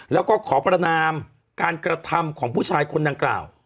แล้วก็ขอประนามการกระทำของผู้ชายคนดังกล่าว